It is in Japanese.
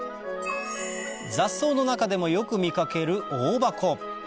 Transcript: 雑草の中でもよく見掛けるオオバコ